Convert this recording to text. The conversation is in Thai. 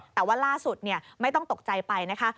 แต่ว่าล่าสุดไม่ต้องตกใจไปนะคะ